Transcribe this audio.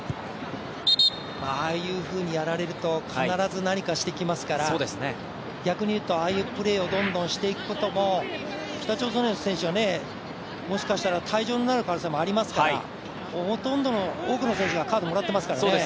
ああいうふうにやられると、必ず何かしてきますから、逆に言うと、ああいうプレーをどんどんしていくことも、北朝鮮の選手はもしかしたら退場になる可能性もありますからほとんど多くの選手がカードをもらっていますからね。